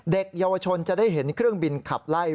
เด็กเยาวชนจะได้เห็นเครื่องบินขับไล่